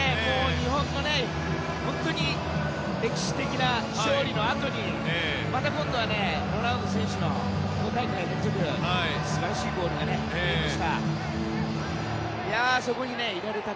日本の歴史的な勝利のあとにまた今度はロナウド選手の５大会連続の素晴らしいゴールがありました。